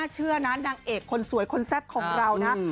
เชื่อนะนางเอกคนสวยคนแซ่บของเรานะ